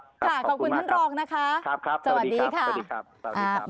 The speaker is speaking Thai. ขอบคุณมากครับขอบคุณท่านรองค์นะคะสวัสดีครับ